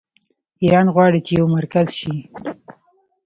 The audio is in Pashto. ایران غواړي چې یو مرکز شي.